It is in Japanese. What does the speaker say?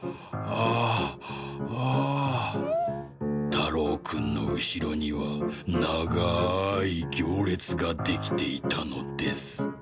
たろうくんのうしろにはながいぎょうれつができていたのです」。